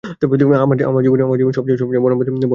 আমার জীবনে শোনা সবচেয়ে বর্ণবাদী কথা হলো এটি।